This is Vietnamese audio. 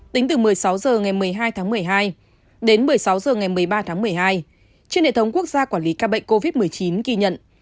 tính từ một mươi sáu h ngày một mươi hai tháng một mươi hai đến một mươi sáu h ngày một mươi ba tháng một mươi hai trên hệ thống quốc gia quản lý ca bệnh covid một mươi chín ghi nhận